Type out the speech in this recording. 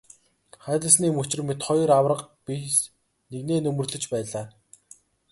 Хайлаасны мөчир мэт хоёр аварга биес нэгнээ нөмөрлөж байлаа.